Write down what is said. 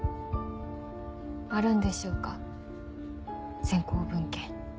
あるんでしょうか先行文献。